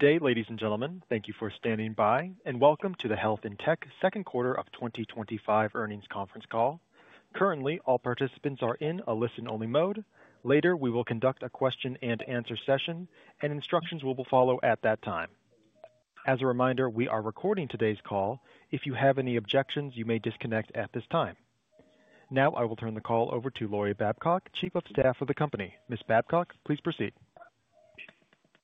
Today, ladies and gentlemen, thank you for standing by and welcome to the Health In Tech second quarter of 2025 earnings conference call. Currently, all participants are in a listen-only mode. Later, we will conduct a question-and answer session, and instructions will follow at that time. As a reminder, we are recording today's call. If you have any objections, you may disconnect at this time. Now, I will turn the call over to Lori Babcock, Chief of Staff for the company. Ms. Babcock, please proceed.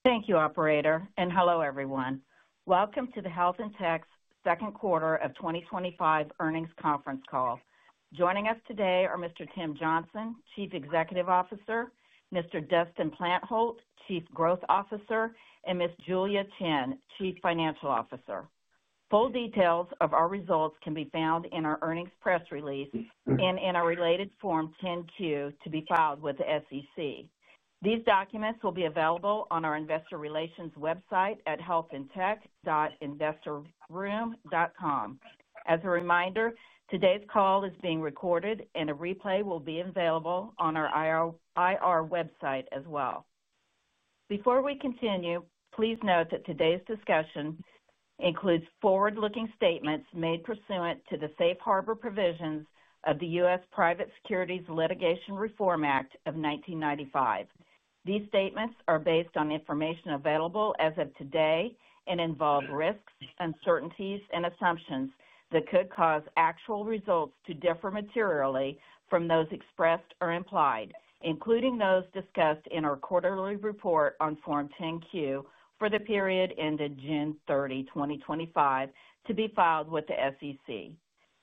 Thank you, operator, and hello everyone. Welcome to Health In Tech's second quarter of 2025 earnings conference call. Joining us today are Mr. Tim Johnson, Chief Executive Officer, Mr. Dustin Plantholt, Chief Growth Officer, and Ms. Julia Qian, Chief Financial Officer. Full details of our results can be found in our earnings press release and in our related Form 10-Q to be filed with the SEC. These documents will be available on our investor relations website at healthintech.investorroom.com. As a reminder, today's call is being recorded, and a replay will be available on our IR website as well. Before we continue, please note that today's discussion includes forward-looking statements made pursuant to the Safe Harbor provisions of the U.S. Private Securities Litigation Reform Act of 1995. These statements are based on information available as of today and involve risks, uncertainties, and assumptions that could cause actual results to differ materially from those expressed or implied, including those discussed in our quarterly report on Form 10-Q for the period ended June 30, 2025, to be filed with the SEC.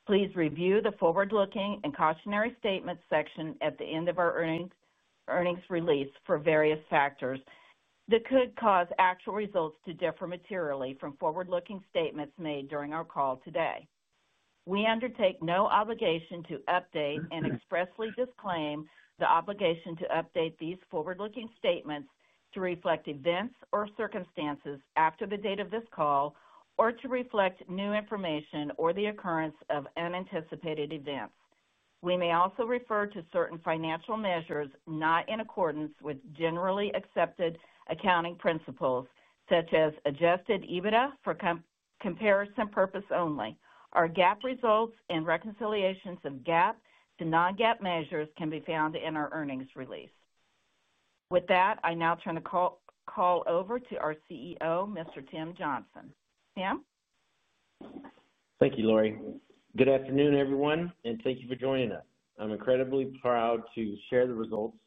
Please review the forward-looking and cautionary statements section at the end of our earnings release for various factors that could cause actual results to differ materially from forward-looking statements made during our call today. We undertake no obligation to update and expressly disclaim the obligation to update these forward-looking statements to reflect events or circumstances after the date of this call or to reflect new information or the occurrence of unanticipated events. We may also refer to certain financial measures not in accordance with generally accepted accounting principles, such as adjusted EBITDA for comparison purpose only. Our GAAP results and reconciliations of GAAP to non-GAAP measures can be found in our earnings release. With that, I now turn the call over to our CEO, Mr. Tim Johnson. Tim? Thank you, Lori. Good afternoon, everyone, and thank you for joining us. I'm incredibly proud to share the results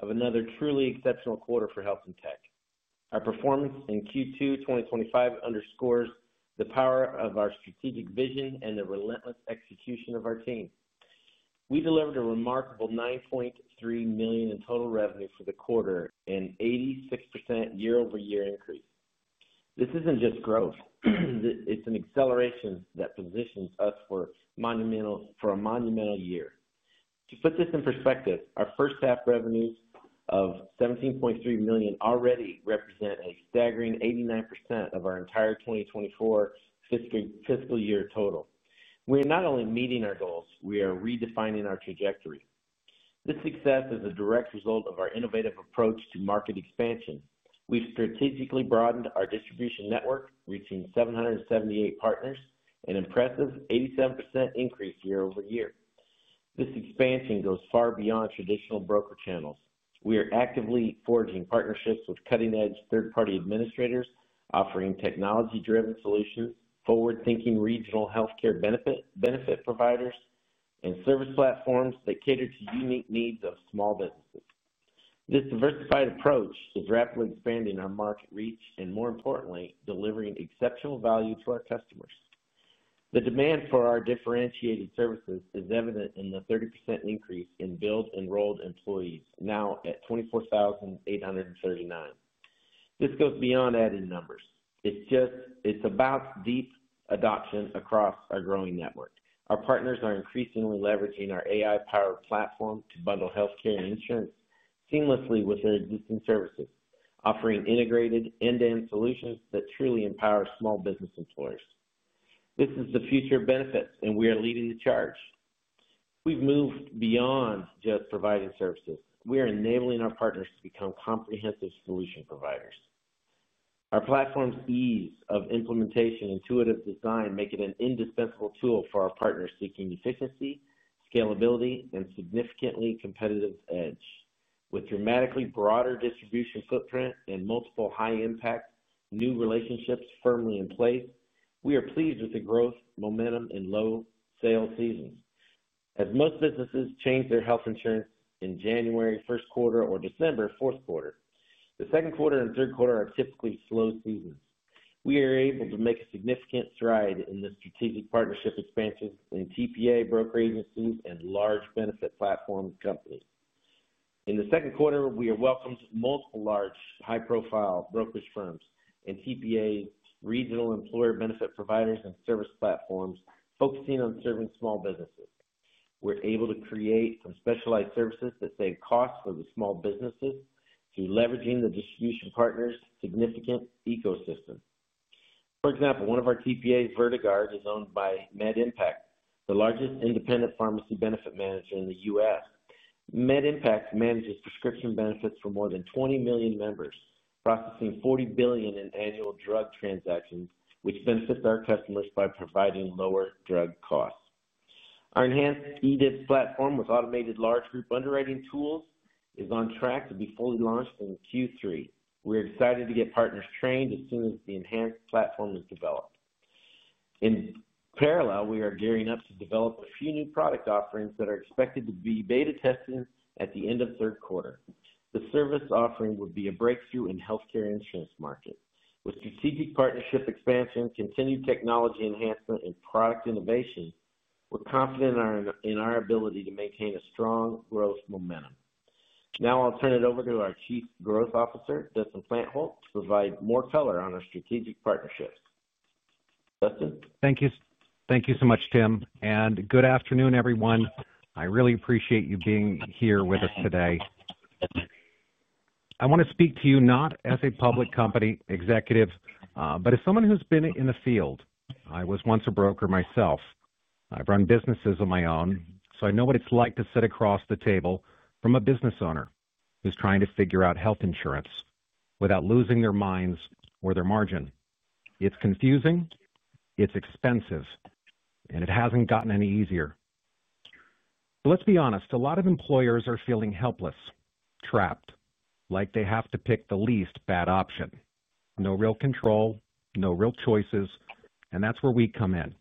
of another truly exceptional quarter for Health In Tech. Our performance in Q2 2025 underscores the power of our strategic vision and the relentless execution of our team. We delivered a remarkable $9.3 million in total revenue for the quarter, an 86% year-over-year increase. This isn't just growth, it's an acceleration that positions us for a monumental year. To put this in perspective, our first half revenues of $17.3 million already represent a staggering 89% of our entire 2024 fiscal year total. We are not only meeting our goals, we are redefining our trajectory. This success is a direct result of our innovative approach to market expansion. We've strategically broadened our distribution network, reaching 778 partners, an impressive 87% increase year-over-year. This expansion goes far beyond traditional broker channels. We are actively forging partnerships with cutting-edge third-party administrators, offering technology-driven solutions, forward-thinking regional healthcare benefit providers, and service platforms that cater to unique needs of small businesses. This diversified approach is rapidly expanding our market reach and, more importantly, delivering exceptional value to our customers. The demand for our differentiated services is evident in the 30% increase in billed enrolled employees, now at 24,839. This goes beyond added numbers. It's about deep adoption across our growing network. Our partners are increasingly leveraging our AI-powered proprietary underwriting platform to bundle healthcare and insurance seamlessly with their existing services, offering integrated end-to-end solutions that truly empower small business employers. This is the future of benefits, and we are leading the charge. We've moved beyond just providing services. We are enabling our partners to become comprehensive solution providers. Our platform's ease of implementation and intuitive design make it an indispensable tool for our partners seeking efficiency, scalability, and a significantly competitive edge. With a dramatically broader distribution footprint and multiple high-impact new relationships firmly in place, we are pleased with the growth, momentum, and low sales seasons. As most businesses change their health insurance in January, first quarter, or December, fourth quarter, the second quarter and third quarter are typically slow seasons. We are able to make a significant stride in the strategic partnership expansion in TPA broker agencies and large benefit platform companies. In the second quarter, we have welcomed multiple large, high-profile brokerage firms and TPA regional employer benefit providers and service platforms focusing on serving small businesses. We're able to create some specialized services that save costs for the small businesses through leveraging the distribution partners' significant ecosystem. For example, one of our TPAs, VertiGuard, is owned by MedImpact, the largest independent pharmacy benefit manager in the U.S. MedImpact manages prescription benefits for more than 20 million members, processing $40 billion in annual drug transactions, which benefits our customers by providing lower drug costs. Our enhanced eDIYBS platform with automated large group underwriting tools is on track to be fully launched in Q3. We are excited to get partners trained as soon as the enhanced platform is developed. In parallel, we are gearing up to develop a few new product offerings that are expected to be beta tested at the end of third quarter. The service offering would be a breakthrough in the healthcare insurance market. With strategic partnership expansion, continued technology enhancement, and product innovation, we're confident in our ability to maintain a strong growth momentum. Now I'll turn it over to our Chief Growth Officer, Dustin Plantholt, to provide more color on our strategic partnerships. Dustin? Thank you. Thank you so much, Tim. Good afternoon, everyone. I really appreciate you being here with us today. I want to speak to you not as a public company executive, but as someone who's been in the field. I was once a broker myself. I've run businesses of my own, so I know what it's like to sit across the table from a business owner who's trying to figure out health insurance without losing their minds or their margin. It's confusing. It's expensive, and it hasn't gotten any easier. Let's be honest, a lot of employers are feeling helpless, trapped, like they have to pick the least bad option. No real control, no real choices, and that's where we come in.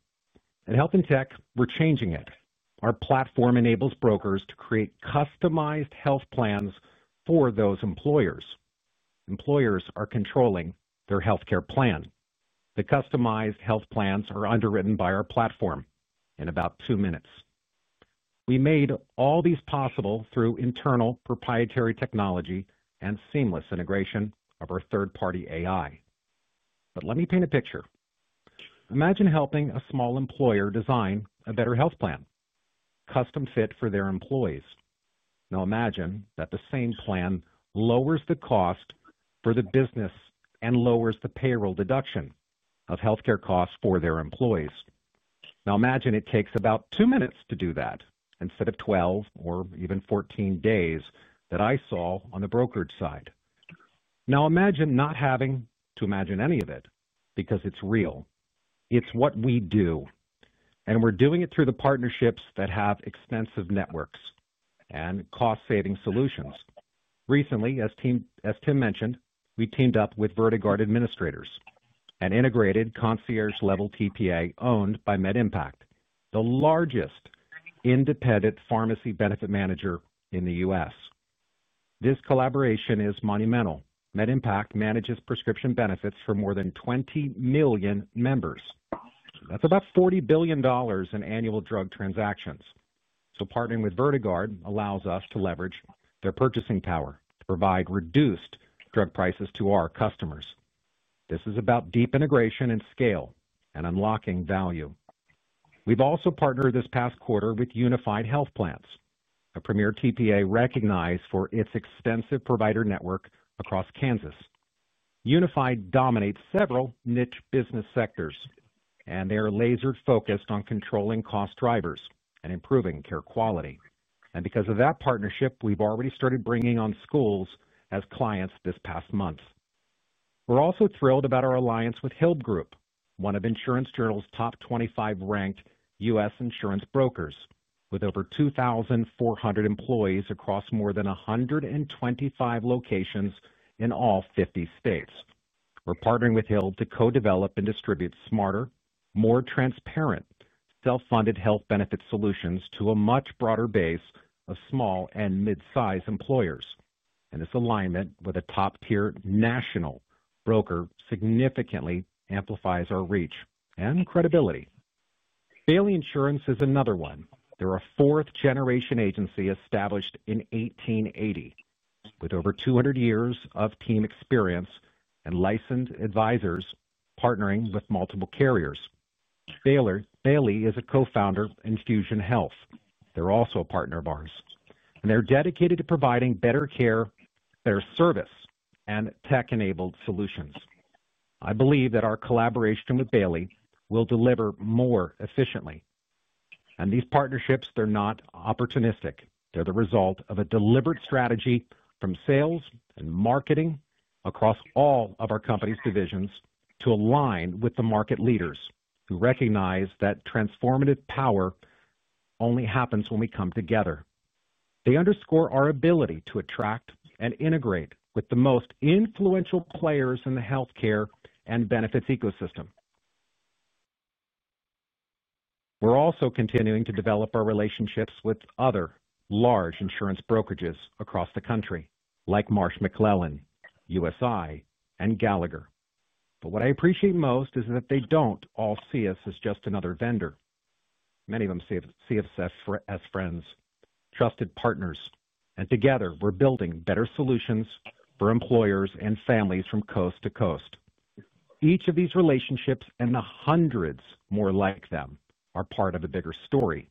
At Health In Tech, we're changing it. Our platform enables brokers to create customized health plans for those employers. Employers are controlling their healthcare plan. The customized health plans are underwritten by our platform in about two minutes. We made all these possible through internal proprietary technology and seamless integration of our third-party AI. Let me paint a picture. Imagine helping a small employer design a better health plan, custom-fit for their employees. Now imagine that the same plan lowers the cost for the business and lowers the payroll deduction of healthcare costs for their employees. Now imagine it takes about two minutes to do that instead of 12 or even 14 days that I saw on the brokerage side. Now imagine not having to imagine any of it because it's real. It's what we do. We're doing it through the partnerships that have extensive networks and cost-saving solutions. Recently, as Tim mentioned, we teamed up with Vertiguard administrators and integrated concierge-level TPA owned by MedImpact, the largest independent pharmacy benefit manager in the U.S. This collaboration is monumental. MedImpact manages prescription benefits for more than 20 million members. That's about $40 billion in annual drug transactions. Partnering with Vertiguard allows us to leverage their purchasing power, provide reduced drug prices to our customers. This is about deep integration and scale and unlocking value. We've also partnered this past quarter with Unified Health Plans, a premier TPA recognized for its extensive provider network across Kansas. Unified dominates several niche business sectors, and they are laser-focused on controlling cost drivers and improving care quality. Because of that partnership, we've already started bringing on schools as clients this past month. We're also thrilled about our alliance with Hilb Group, one of Insurance Journal's top 25 ranked U.S. insurance brokers, with over 2,400 employees across more than 125 locations in all 50 states. We're partnering with Hilb to co-develop and distribute smarter, more transparent, self-funded health benefit solutions to a much broader base of small and mid-size employers. This alignment with a top-tier national broker significantly amplifies our reach and credibility. Bailey Insurance is another one. They're a fourth-generation agency established in 1880, with over 200 years of team experience and licensed advisors partnering with multiple carriers. Bailey is a co-founder in Fusion Health. They're also a partner of ours, and they're dedicated to providing better care, better service, and tech-enabled solutions. I believe that our collaboration with Bailey will deliver more efficiently. These partnerships are not opportunistic. They're the result of a deliberate strategy from sales and marketing across all of our company's divisions to align with the market leaders who recognize that transformative power only happens when we come together. They underscore our ability to attract and integrate with the most influential players in the healthcare and benefits ecosystem. We're also continuing to develop our relationships with other large insurance brokerages across the country, like Marsh McLellan, USI, and Gallagher. What I appreciate most is that they don't all see us as just another vendor. Many of them see us as friends, trusted partners, and together we're building better solutions for employers and families from coast to coast. Each of these relationships and the hundreds more like them are part of a bigger story,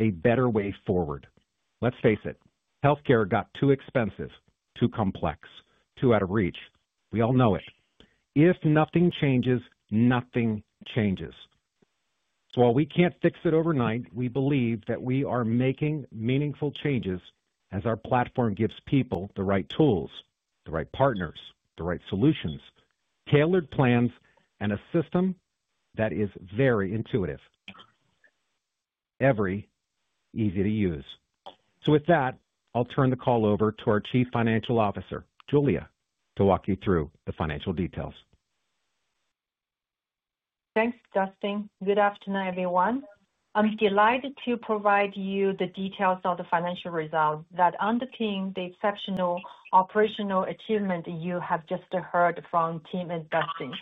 a better way forward. Let's face it, healthcare got too expensive, too complex, too out of reach. We all know it. If nothing changes, nothing changes. While we can't fix it overnight, we believe that we are making meaningful changes as our platform gives people the right tools, the right partners, the right solutions, tailored plans, and a system that is very intuitive, very easy to use. With that, I'll turn the call over to our Chief Financial Officer, Julia, to walk you through the financial details. Thanks, Dustin. Good afternoon, everyone. I'm delighted to provide you the details of the financial results that underpin the exceptional operational achievement you have just heard from Tim and Dustin.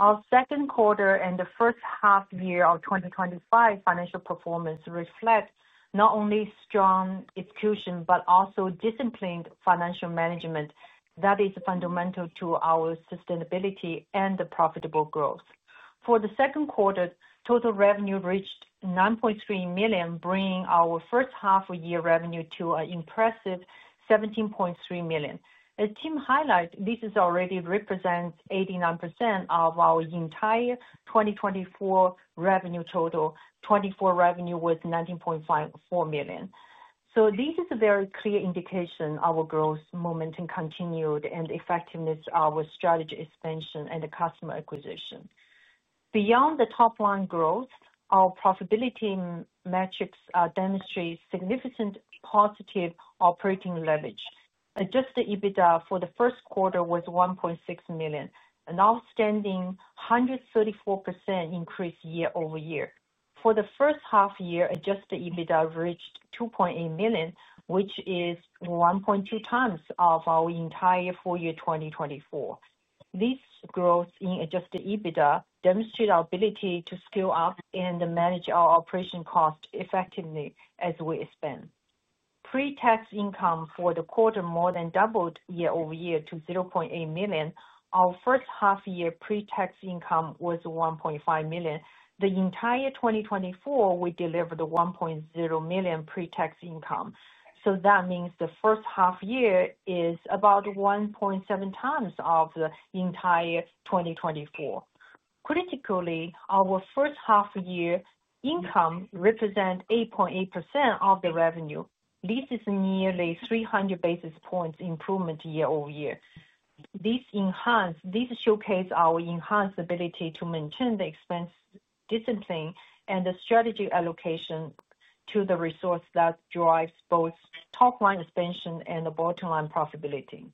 Our second quarter and the first half year of 2025 financial performance reflect not only strong execution but also disciplined financial management that is fundamental to our sustainability and profitable growth. For the second quarter, total revenue reached $9.3 million, bringing our first half-year revenue to an impressive $17.3 million. As Tim highlights, this already represents 89% of our entire 2024 revenue total. 2024 revenue was $19.54 million. This is a very clear indication of our growth momentum continued and the effectiveness of our strategy expansion and the customer acquisition. Beyond the top-line growth, our profitability metrics demonstrate significant positive operating leverage. Adjusted EBITDA for the first quarter was $1.6 million, an outstanding 134% increase year-over-year. For the first half year, adjusted EBITDA reached $2.8 million, which is 1.2x of our entire full year 2024. This growth in adjusted EBITDA demonstrates our ability to scale up and manage our operation costs effectively as we expand. Pre-tax income for the quarter more than doubled year-over year-to $0.8 million. Our first half-year pre-tax income was $1.5 million. The entire 2024, we delivered $1.0 million pre-tax income. That means the first half year is about 1.7x of the entire 2024. Critically, our first half-year income represents 8.8% of the revenue. This is nearly 300 basis points improvement year-over-year. This showcased our enhanced ability to maintain the expense discipline and the strategic allocation to the resource that drives both top-line expansion and the bottom-line profitability.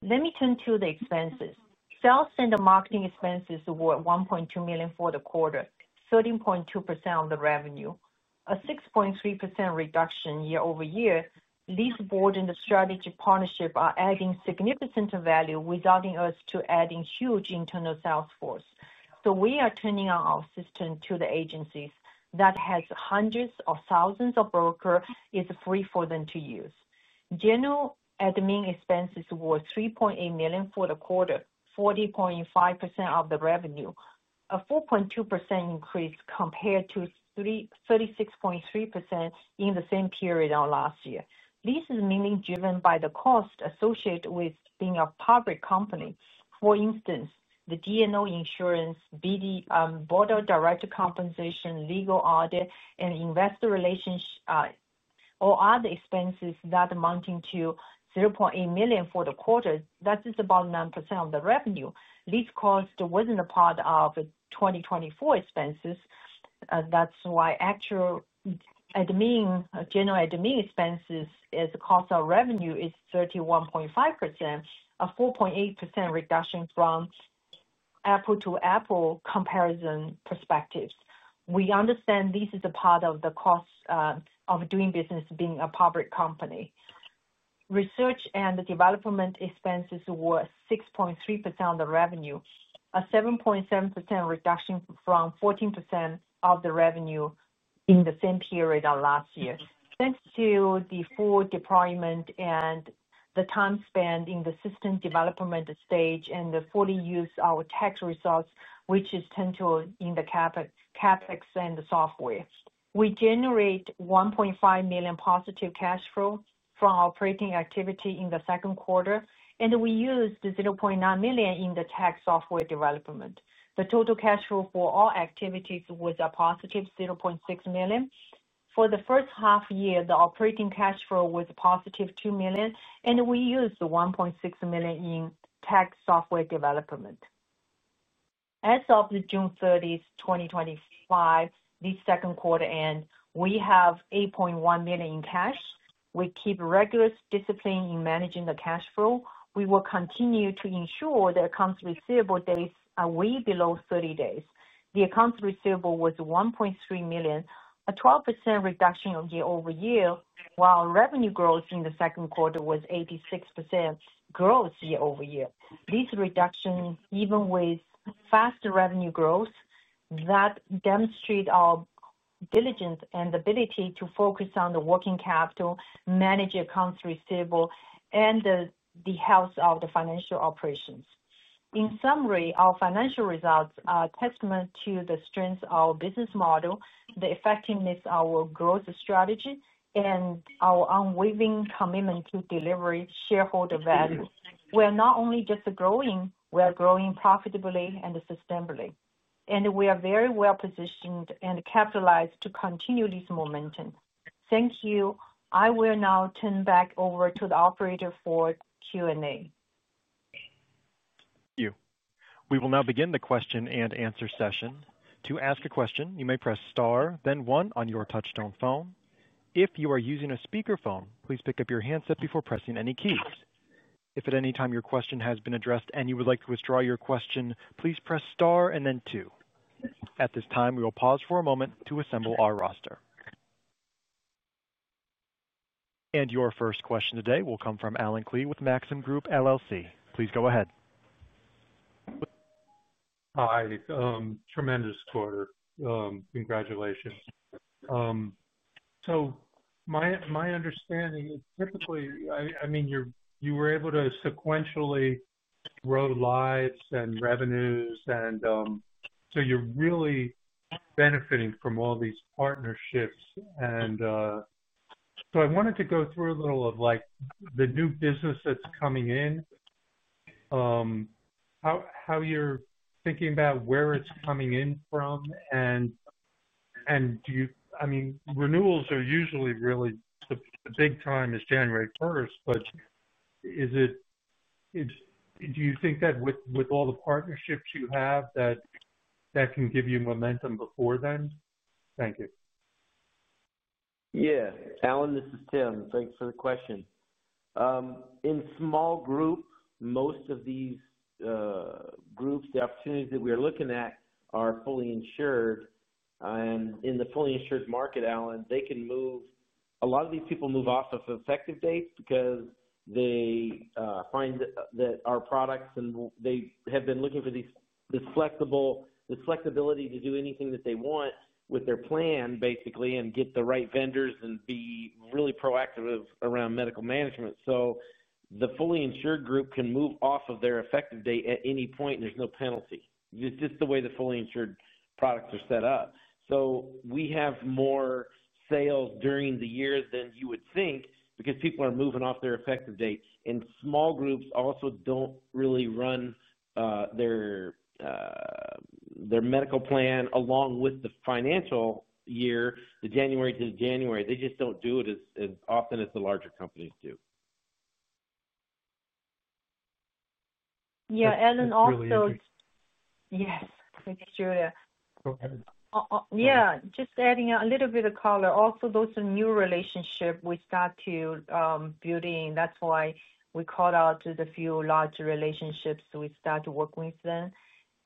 Let me turn to the expenses. Sales and the marketing expenses were $1.2 million for the quarter, 13.2% of the revenue, a 6.3% reduction year-over-year. This board and the strategy partnership are adding significant value, resulting in us adding a huge internal sales force. We are turning on our system to the agencies that have hundreds or thousands of brokers, it's free for them to use. General admin expenses were $3.8 million for the quarter, 40.5% of the revenue, a 4.2% increase compared to 36.3% in the same period of last year. This is mainly driven by the cost associated with being a public company. For instance, the D&O insurance, board or director compensation, legal audit, and investor relations, or other expenses that amount to $0.8 million for the quarter, that is about 9% of the revenue. This cost wasn't a part of the 2024 expenses. That's why actual admin, general admin expenses as a cost of revenue is 31.5%, a 4.8% reduction from apple-to-apple comparison perspectives. We understand this is a part of the cost of doing business being a public company. Research and development expenses were 6.3% of the revenue, a 7.7% reduction from 14% of the revenue in the same period of last year. Thanks to the full deployment and the time spent in the system development stage and the full use of our tax results, which is central in the CapEx and the software, we generate $1.5 million positive cash flow from operating activity in the second quarter, and we use the $0.9 million in the tax software development. The total cash flow for all activities was a positive $0.6 million. For the first half year, the operating cash flow was positive $2 million, and we used $1.6 million in tax software development. As of June 30th, 2025, this second quarter ends, we have $8.1 million in cash. We keep regular discipline in managing the cash flow. We will continue to ensure the accounts receivable date is way below 30 days. The accounts receivable was $1.3 million, a 12% reduction year-over-year, while revenue growth in the second quarter was 86% growth year-over-year. This reduction, even with faster revenue growth, demonstrates our diligence and ability to focus on the working capital, manage accounts receivable, and the health of the financial operations. In summary, our financial results are a testament to the strength of our business model, the effectiveness of our growth strategy, and our unwavering commitment to delivering shareholder value. We are not only just growing; we are growing profitably and sustainably. We are very well positioned and capitalized to continue this momentum. Thank you. I will now turn back over to the operator for Q&A. Thank you. We will now begin the question-and-answer session. To ask a question, you may press star, then one on your touch-tone phone. If you are using a speaker phone, please pick up your handset before pressing any keys. If at any time your question has been addressed and you would like to withdraw your question, please press star and then two. At this time, we will pause for a moment to assemble our roster. Your first question today will come from Allen Klee with Maxim Group LLC. Please go ahead. Hi. Tremendous quarter. Congratulations. My understanding is typically, I mean, you were able to sequentially grow lives and revenues, and you're really benefiting from all these partnerships. I wanted to go through a little of the new business that's coming in, how you're thinking about where it's coming in from. Do you, I mean, renewals are usually really the big time is January 1st, but do you think that with all the partnerships you have that that can give you momentum before then? Thank you. Yeah. Alan, this is Tim. Thanks for the question. In small group, most of these groups, the opportunities that we are looking at are fully insured. In the fully insured market, Alan, they can move. A lot of these people move off of effective dates because they find that our products and they have been looking for this flexibility to do anything that they want with their plan, basically, and get the right vendors and be really proactive around medical management. The fully insured group can move off of their effective date at any point, and there's no penalty. It's just the way the fully insured products are set up. We have more sales during the years than you would think because people are moving off their effective date. Small groups also don't really run their medical plan along with the financial year, the January to January. They just don't do it as often as the larger companies do. Yes, thank you, Julia. Just adding a little bit of color, those new relationships we start to build, that's why we caught up to the few large relationships we started working with them.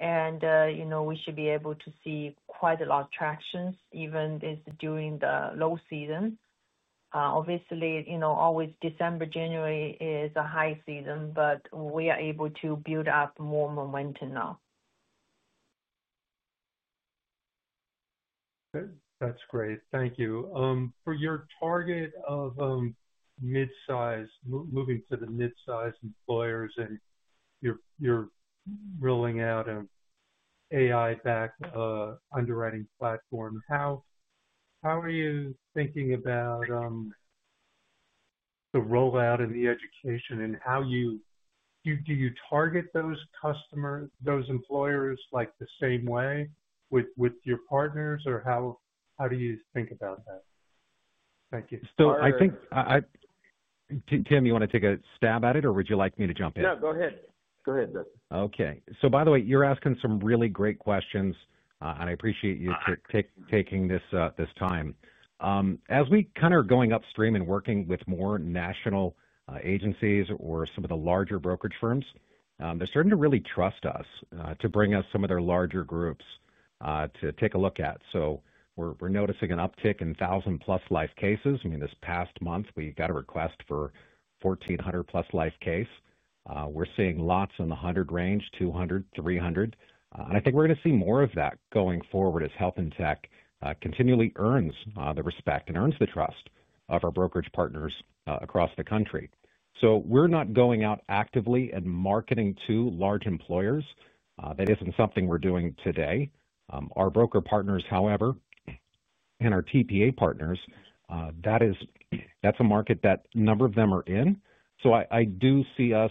You know we should be able to see quite a lot of traction, even during the low season. Obviously, you know always December, January is a high season, but we are able to build up more momentum now. Okay. That's great. Thank you. For your target of midsize, moving to the midsize employers and you're rolling out an AI-powered proprietary underwriting platform, how are you thinking about the rollout and the education and how do you target those customers, those employers, like the same way with your partners, or how do you think about that? Thank you. I think Tim, you want to take a stab at it, or would you like me to jump in? No, go ahead. Go ahead, Dustin. Okay. By the way, you're asking some really great questions, and I appreciate you taking this time. As we kind of are going upstream and working with more national agencies or some of the larger brokerage firms, they're starting to really trust us to bring us some of their larger groups to take a look at. We're noticing an uptick in 1,000+ life cases. This past month, we got a request for 1,400+ life cases. We're seeing lots in the 100 range, 200, 300. I think we're going to see more of that going forward as Health In Tech continually earns the respect and earns the trust of our brokerage partners across the country. We're not going out actively and marketing to large employers. That isn't something we're doing today. Our broker partners, however, and our TPA partners, that is a market that a number of them are in. I do see us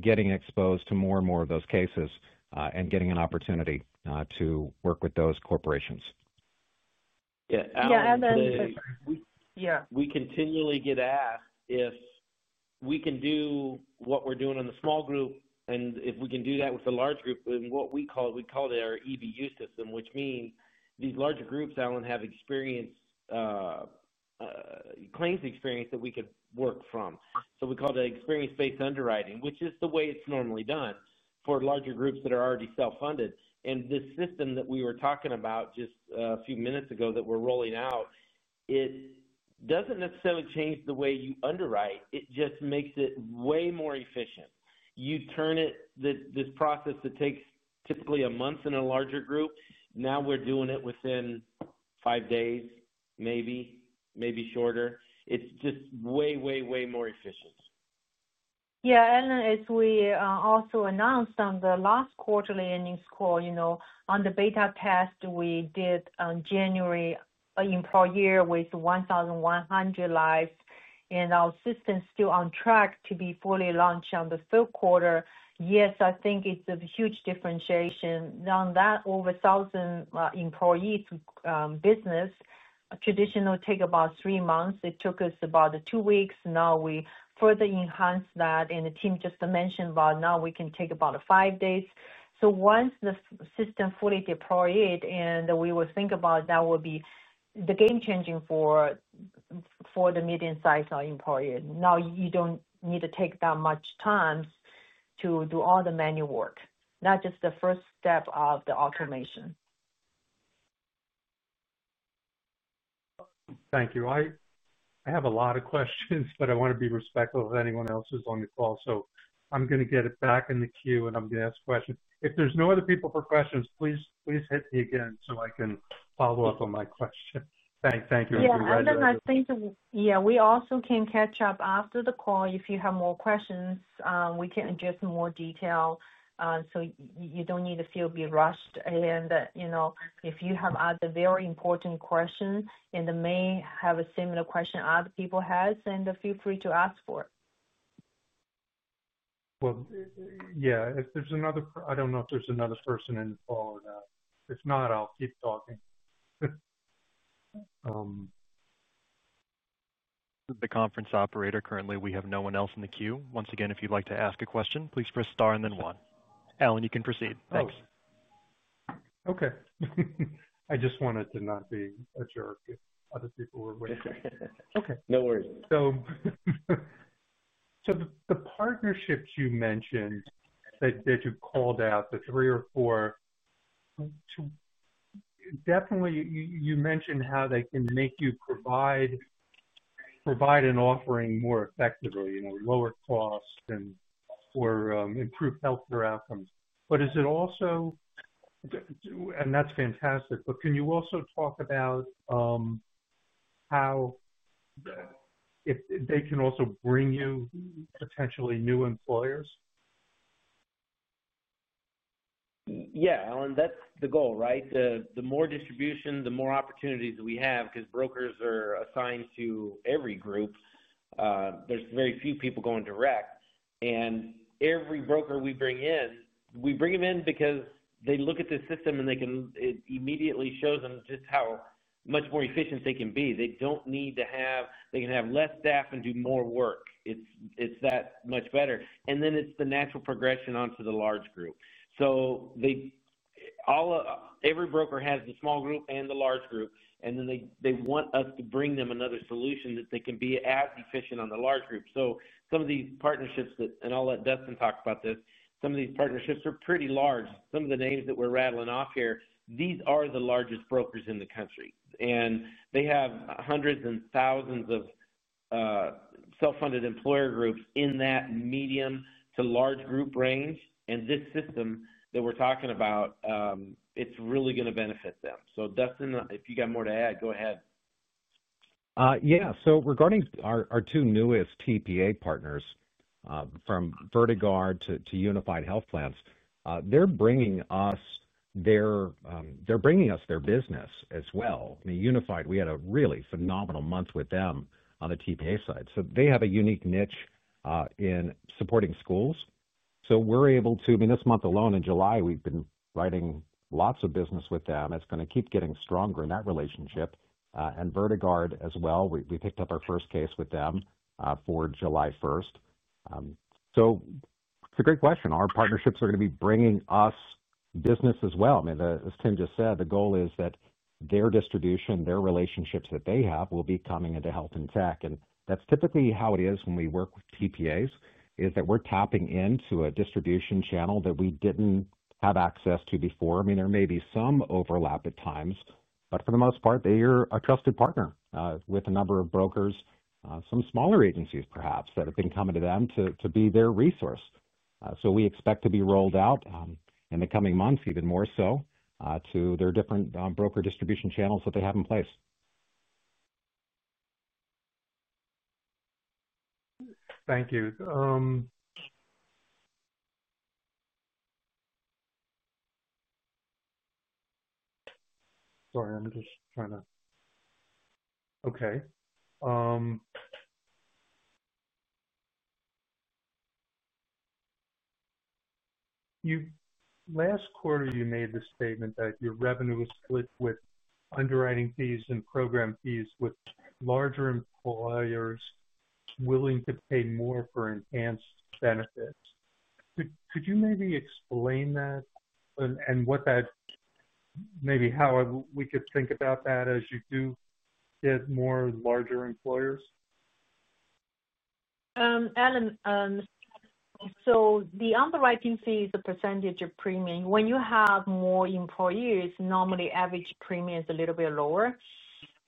getting exposed to more and more of those cases and getting an opportunity to work with those corporations. Yeah. We continually get asked if we can do what we're doing in the small group and if we can do that with the large group in what we call, we call it our EBU system, which means these larger groups, Allen, have experience, claims experience that we could work from. We call that experience-based underwriting, which is the way it's normally done for larger groups that are already self-funded. This system that we were talking about just a few minutes ago that we're rolling out doesn't necessarily change the way you underwrite. It just makes it way more efficient. You turn this process that takes typically a month in a larger group, now we're doing it within five days, maybe, maybe shorter. It's just way, way, way more efficient. Yeah. As we also announced on the last quarterly earnings call, you know on the beta test we did in January, an employer with 1,100 lives, and our system is still on track to be fully launched in the third quarter. I think it's a huge differentiation. Now that over 1,000 employees' business traditionally takes about three months, it took us about two weeks. We further enhanced that, and the team just mentioned about now we can take about five days. Once the system is fully deployed and we think about that, that will be game-changing for the medium-sized employer. Now you don't need to take that much time to do all the manual work. That's just the first step of the automation. Thank you. I have a lot of questions, but I want to be respectful of anyone else who's on the call. I'm going to get back in the queue and I'm going to ask questions. If there's no other people for questions, please hit me again so I can follow up on my question. Thanks. Thank you. Yeah. Allen I think we also can catch up after the call. If you have more questions, we can adjust more detail. You don't need to feel rushed. If you have other very important questions and may have a similar question other people have, then feel free to ask for it. If there's another, I don't know if there's another person in the call or not. If not, I'll keep talking. The conference operator, currently, we have no one else in the queue. Once again, if you'd like to ask a question, please press star and then one. Allen, you can proceed. Thanks. Okay, I just wanted to not be a jerk if other people were waiting. Okay. No worries. The partnerships you mentioned that you called out, the three or four, definitely you mentioned how they can make you provide an offering more effectively, lower costs and or improve healthcare outcomes. Is it also, and that's fantastic, can you also talk about how they can also bring you potentially new employers? Yeah, Allen, that's the goal, right? The more distribution, the more opportunities that we have because brokers are assigned to every group. There are very few people going direct. Every broker we bring in, we bring them in because they look at the system and it immediately shows them just how much more efficient they can be. They don't need to have, they can have less staff and do more work. It's that much better. It's the natural progression onto the large group. Every broker has the small group and the large group, and they want us to bring them another solution that they can be as efficient on the large group. Some of these partnerships, and I'll let Dustin talk about this, some of these partnerships are pretty large. Some of the names that we're rattling off here, these are the largest brokers in the country. They have hundreds and thousands of self-funded employer groups in that medium to large group range. This system that we're talking about, it's really going to benefit them. Dustin, if you got more to add, go ahead. Yeah. Regarding our two newest TPA partners, from Vertiguard to Unified Health Plans, they're bringing us their business as well. Unified, we had a really phenomenal month with them on the TPA side. They have a unique niche in supporting schools. We're able to, this month alone in July, we've been writing lots of business with them. It's going to keep getting stronger in that relationship. Vertiguard as well, we picked up our first case with them for July 1st. It's a great question. Our partnerships are going to be bringing us business as well. As Tim just said, the goal is that their distribution, their relationships that they have will be coming into Health In Tech. That's typically how it is when we work with TPAs, we're tapping into a distribution channel that we didn't have access to before. There may be some overlap at times, but for the most part, they're a trusted partner with a number of brokers, some smaller agencies perhaps that have been coming to them to be their resource. We expect to be rolled out in the coming months, even more so, to their different broker distribution channels that they have in place. Thank you. Last quarter, you made the statement that your revenue was split with underwriting fees and program fees with larger employers willing to pay more for enhanced benefits. Could you maybe explain that and what that maybe how we could think about that as you do get more larger employers? Allen, so the underwriting fee is a percentage of premium. When you have more employees, normally average premium is a little bit lower.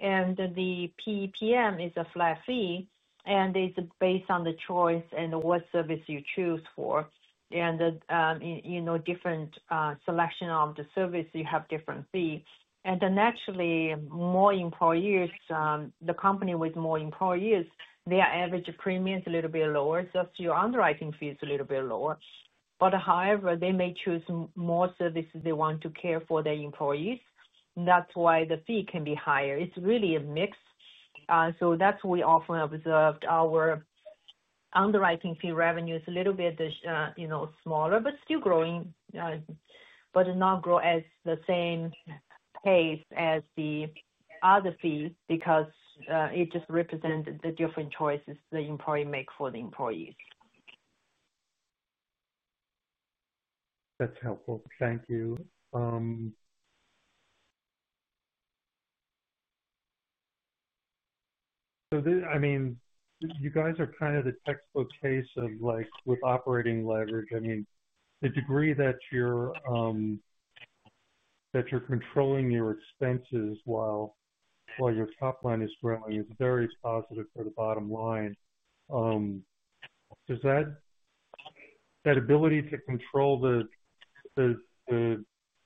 The PPM is a flat fee, and it's based on the choice and what service you choose for. You know different selection of the service, you have different fees. Actually, more employees, the company with more employees, their average premium is a little bit lower, so your underwriting fee is a little bit lower. However, they may choose more services they want to care for their employees. That's why the fee can be higher. It's really a mix. That's what we often observed. Our underwriting fee revenue is a little bit smaller, but still growing, but not growing at the same pace as the other fee because it just represents the different choices the employee makes for the employees. That's helpful. Thank you. You guys are kind of the textbook case of operating leverage. I mean, the degree that you're controlling your expenses while your top line is growing, it's very positive for the bottom line. Does that ability to control the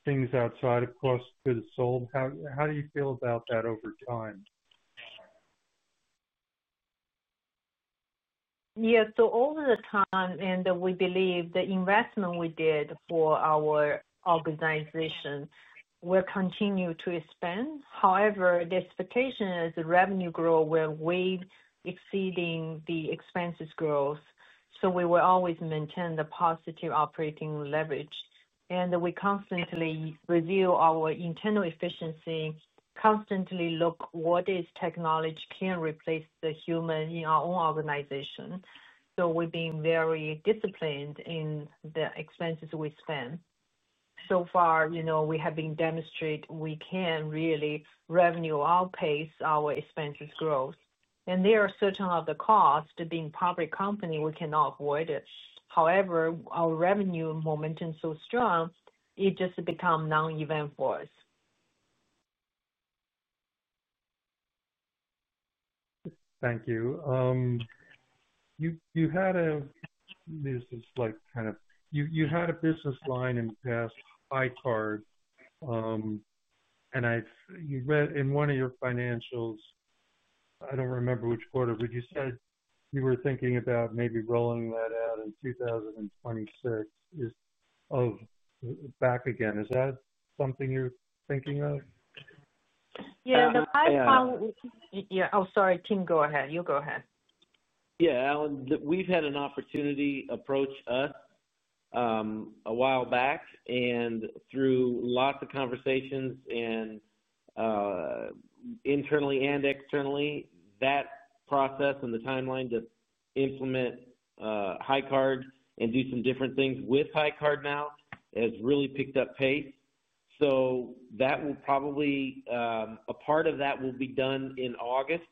things outside of cost get sold? How do you feel about that over time? Yeah. Over the time, and we believe the investment we did for our organization will continue to expand. However, the expectation is revenue growth will exceed the expenses growth. We will always maintain the positive operating leverage. We constantly review our internal efficiency, constantly look at what technology can replace the human in our own organization. We've been very disciplined in the expenses we spend. So far, you know we have been demonstrating we can really revenue outpace our expenses growth. There are certain of the costs being a public company we cannot avoid. However, our revenue momentum is so strong, it just becomes non-event for us. Thank you. You had a, this is kind of, you had a business line in past iCard. You read in one of your financials, I don't remember which quarter, but you said you were thinking about maybe rolling that out in 2026 back again. Is that something you're thinking of? Yeah, the pipeline was, sorry, Tim, go ahead. You go ahead. Yeah, Allen, we've had an opportunity approach us a while back. Through lots of conversations internally and externally, that process and the timeline to implement iCard and do some different things with iCard now has really picked up pace. A part of that will be done in August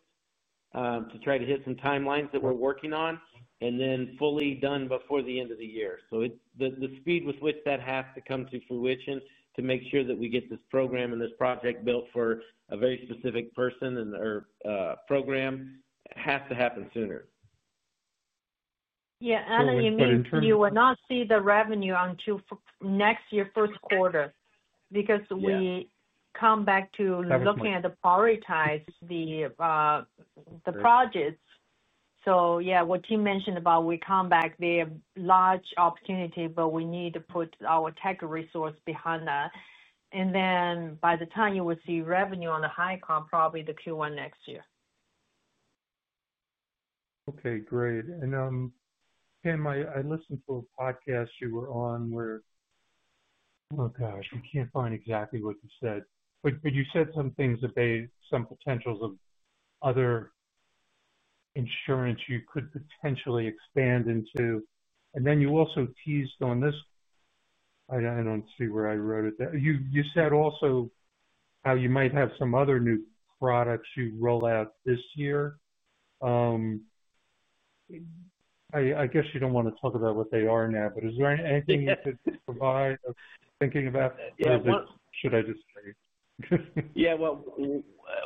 to try to hit some timelines that we're working on and then fully done before the end of the year. The speed with which that has to come to fruition to make sure that we get this program and this project built for a very specific person and/or program has to happen sooner. Yeah. Allen, you mean you will not see the revenue until next year's first quarter because we come back to looking at the prioritizing the projects. What Tim mentioned about we come back, they have a large opportunity, but we need to put our tech resource behind that. By the time you will see revenue on the high comp, probably the Q1 next year. Okay. Great. Tim, I listened to a podcast you were on where I can't find exactly what you said. You said some things about some potentials of other insurance you could potentially expand into. You also teased on this. I don't see where I wrote it there. You said also how you might have some other new products you roll out this year. I guess you don't want to talk about what they are now, but is there anything you could provide thinking about? Should I just say? Yeah.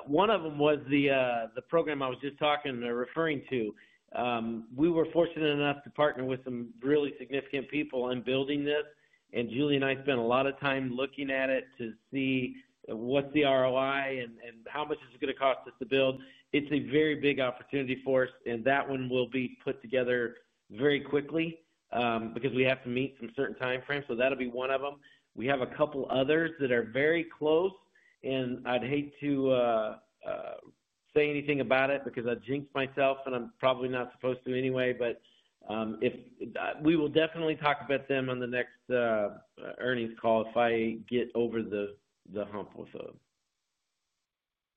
One of them was the program I was just talking and referring to. We were fortunate enough to partner with some really significant people in building this. Julia and I spent a lot of time looking at it to see what's the ROI and how much is it going to cost us to build. It's a very big opportunity for us. That one will be put together very quickly because we have to meet some certain timeframes. That'll be one of them. We have a couple others that are very close. I'd hate to say anything about it because I jinxed myself and I'm probably not supposed to anyway. We will definitely talk about them on the next earnings call if I get over the hump with them.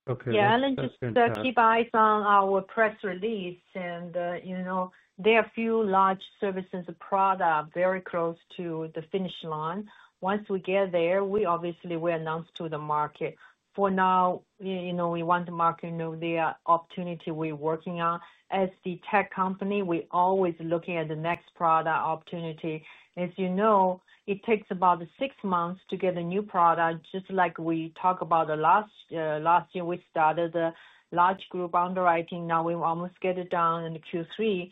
Okay. Yeah, Allen just keep eyes on our press release. There are a few large services and products very close to the finish line. Once we get there, we obviously will announce to the market. For now, we want to market the opportunity we're working on. As the tech company, we're always looking at the next product opportunity. As you know, it takes about six months to get a new product. Just like we talked about last year, we started the large group underwriting. Now we almost get it done in Q3.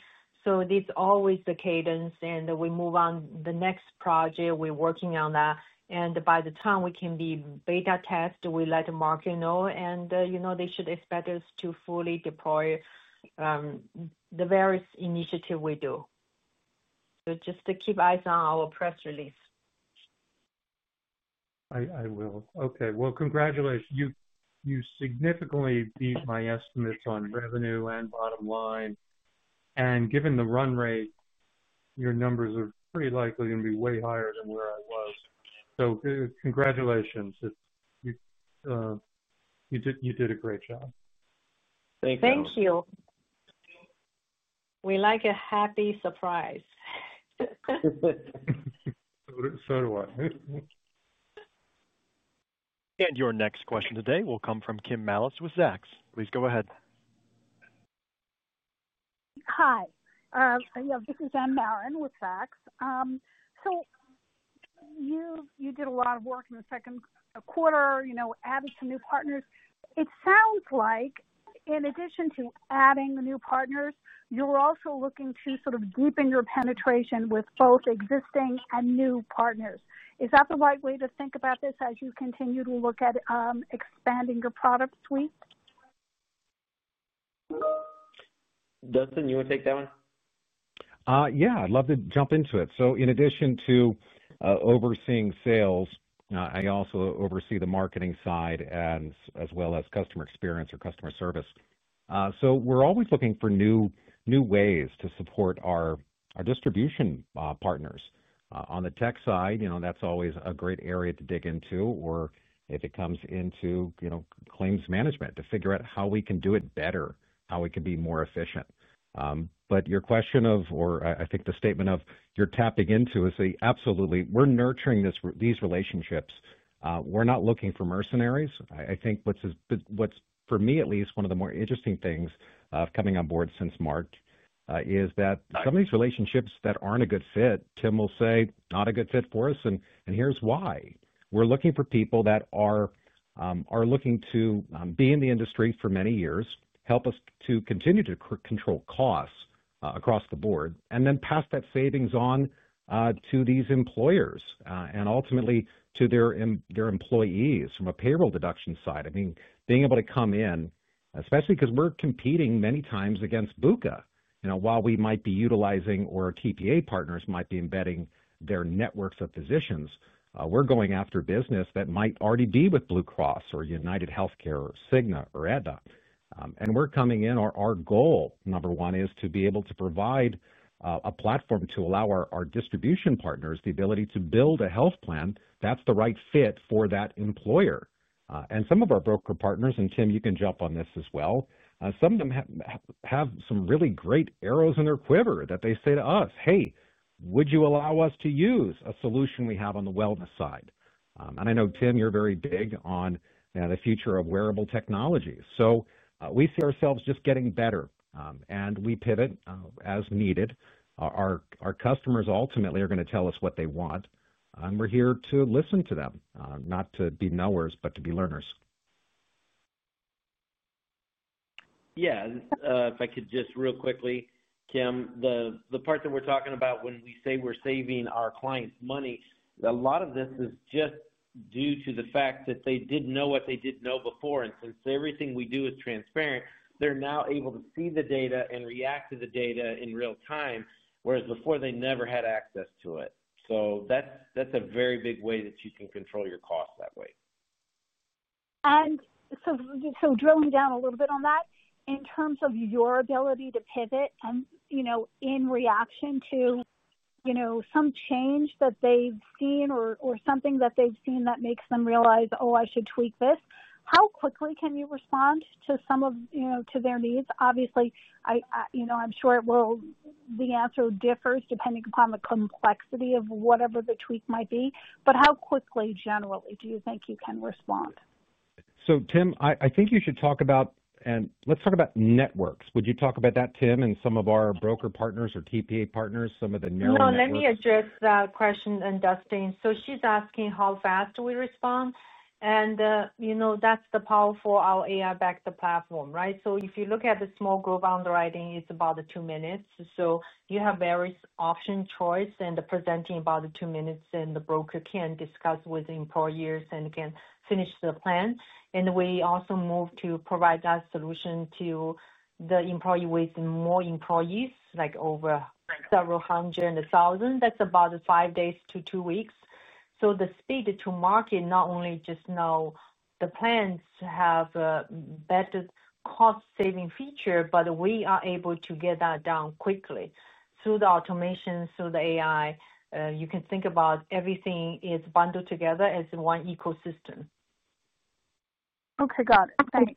It's always the cadence, and we move on to the next project. We're working on that, and by the time we can be beta test, we let the market know. They should expect us to fully deploy the various initiatives we do. Just keep eyes on our press release. I will. Okay. Congratulations. You significantly beat my estimates on revenue and bottom line. Given the run rate, your numbers are pretty likely going to be way higher than where I was. Congratulations. You did a great job. Thank you. We like a happy surprise. I do. Your next question today will come from Kim Mallis with Zacks. Please go ahead. Hi. Yeah, this is M Marin with Zacks. You did a lot of work in the second quarter, added some new partners. It sounds like in addition to adding the new partners, you're also looking to sort of deepen your penetration with both existing and new partners. Is that the right way to think about this as you continue to look at expanding your product suite? Dustin, you want to take that one? Yeah, I'd love to jump into it. In addition to overseeing sales, I also oversee the marketing side as well as customer experience or customer service. We're always looking for new ways to support our distribution partners. On the tech side, that's always a great area to dig into, or if it comes into claims management to figure out how we can do it better, how we can be more efficient. Your question of, or I think the statement of you're tapping into is absolutely, we're nurturing these relationships. We're not looking for mercenaries. I think what's for me, at least, one of the more interesting things of coming on board since March is that some of these relationships that aren't a good fit, Tim will say, not a good fit for us. Here's why. We're looking for people that are looking to be in the industry for many years, help us to continue to control costs across the board, and then pass that savings on to these employers and ultimately to their employees from a payroll deduction side. I mean, being able to come in, especially because we're competing many times against BUCA. While we might be utilizing or TPA partners might be embedding their networks of physicians, we're going after business that might already be with Blue Cross or UnitedHealthcare or Cigna or Aetna. We're coming in, our goal, number one, is to be able to provide a platform to allow our distribution partners the ability to build a health plan that's the right fit for that employer. Some of our broker partners, and Tim, you can jump on this as well, some of them have some really great arrows in their quiver that they say to us, "Hey, would you allow us to use a solution we have on the wellness side?" I know, Tim, you're very big on the future of wearable technologies. We see ourselves just getting better. We pivot as needed. Our customers ultimately are going to tell us what they want. We're here to listen to them, not to be knowers, but to be learners. Yeah. If I could just real quickly, Tim, the part that we're talking about when we say we're saving our clients' money, a lot of this is just due to the fact that they didn't know what they didn't know before. Since everything we do is transparent, they're now able to see the data and react to the data in real time, whereas before they never had access to it. That's a very big way that you can control your costs that way. Drilling down a little bit on that, in terms of your ability to pivot in reaction to some change that they've seen or something that they've seen that makes them realize, "Oh, I should tweak this," how quickly can you respond to their needs? Obviously, I'm sure the answer differs depending upon the complexity of whatever the tweak might be. How quickly, generally, do you think you can respond? Tim, I think you should talk about, and let's talk about networks. Would you talk about that, Tim, and some of our broker partners or TPA partners, some of the narrative? No, let me address that question, Dustin. She's asking how fast do we respond? You know, that's the power for our AI-backed platform, right? If you look at the small group underwriting, it's about two minutes. You have various option choice and presenting about two minutes, and the broker can discuss with employers and can finish the plan. We also move to provide that solution to the employee with more employees, like over several hundred, a thousand. That's about five days to two weeks. The speed to market not only just know the plans have a better cost-saving feature, but we are able to get that done quickly. Through the automation, through the AI, you can think about everything is bundled together as one ecosystem. Okay. Got it. Thanks.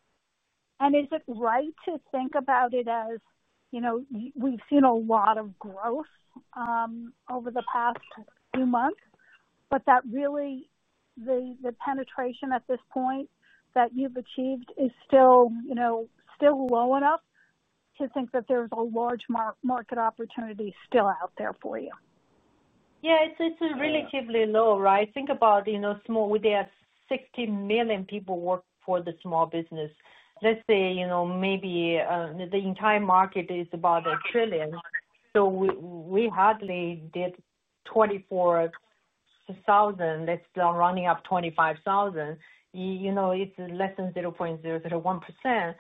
Is it right to think about it as, you know, we've seen a lot of growth over the past few months, but that really, the penetration at this point that you've achieved is still, you know, still low enough to think that there's a large market opportunity still out there for you? Yeah, it's relatively low, right? Think about, you know, small, we did 60 million people work for the small business. Let's say, you know, maybe the entire market is about $1 trillion. We hardly did 24,000. Let's round it up, 25,000. You know, it's less than 0.001%.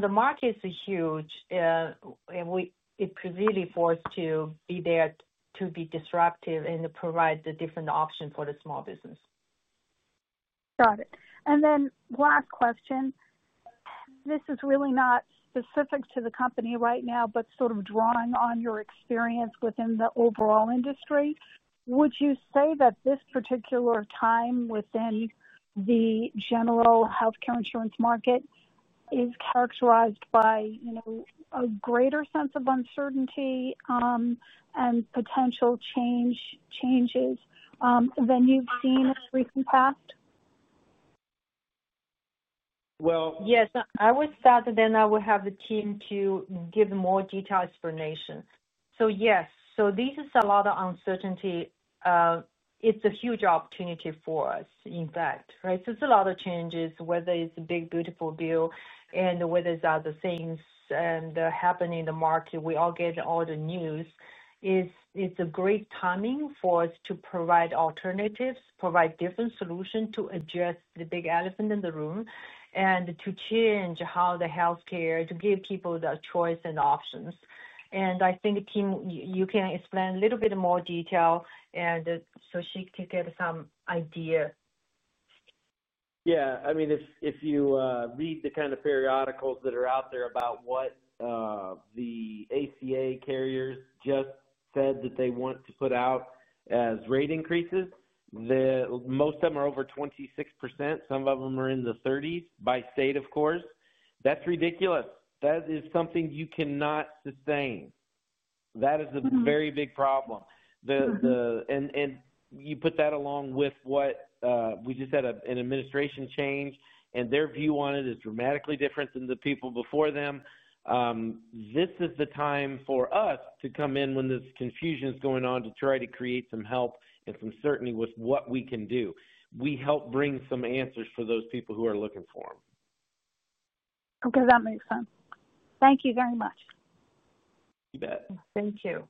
The market's huge. It's really forced to be there to be disruptive and provide the different options for the small business. Got it. Last question. This is really not specific to the company right now, but sort of drawing on your experience within the overall industry. Would you say that this particular time within the general healthcare insurance market is characterized by a greater sense of uncertainty and potential changes than you've seen in recent past? I would start with that, and then I would have the team give more detailed explanations. Yes, this is a lot of uncertainty. It's a huge opportunity for us, in fact, right? It's a lot of changes, whether it's a big, beautiful bill or whether it's other things happening in the market. We all get all the news. It's great timing for us to provide alternatives, provide different solutions to address the big elephant in the room and to change how healthcare gives people the choice and options. I think, Tim, you can explain a little bit more detail so she can get some idea. Yeah. I mean, if you read the kind of periodicals that are out there about what the ACA carriers just said that they want to put out as rate increases, most of them are over 26%. Some of them are in the 30% by state, of course. That's ridiculous. That is something you cannot sustain. That is a very big problem. You put that along with what we just had, an administration change, and their view on it is dramatically different than the people before them. This is the time for us to come in when this confusion is going on to try to create some help and some certainty with what we can do. We help bring some answers for those people who are looking for them. Okay, that makes sense. Thank you very much. You bet. Thank you.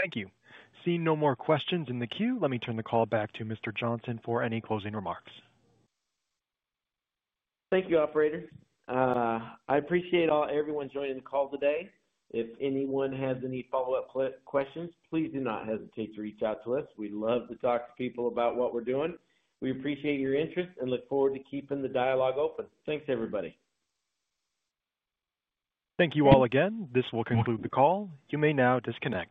Thank you. Seeing no more questions in the queue, let me turn the call back to Mr. Johnson for any closing remarks. Thank you, operator. I appreciate everyone joining the call today. If anyone has any follow-up questions, please do not hesitate to reach out to us. We'd love to talk to people about what we're doing. We appreciate your interest and look forward to keeping the dialogue open. Thanks, everybody. Thank you all again. This will conclude the call. You may now disconnect.